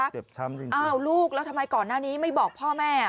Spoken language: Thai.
อ้าวลูกแล้วทำไมก่อนหน้านี้ไม่บอกพ่อแม่